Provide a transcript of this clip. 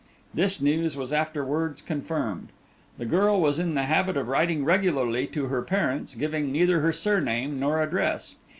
This news was afterwards confirmed. The girl was in the habit of writing regularly to her parents, giving neither her surname nor address.